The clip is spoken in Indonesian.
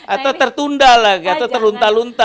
atau tertunda lagi atau terlunta lunta